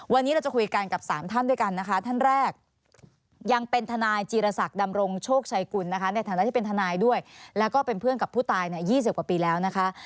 วันนี้เราจะคุยกันกับ๓ท่านด้วยกันนะคะท่านแรกยังเป็นทนายจีรศักดำรงโชคชัยกุลนะคะในฐานะที่เป็นทนายด้วยแล้วก็เป็นเพื่อนกับผู้ตาย๒๐กว่าปีแล้วนะคะ